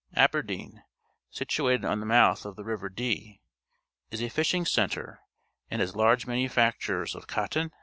Aberdeen , situated at the mouth of the river Dee, is a fishing centre and has large manufactures of cotton and linen.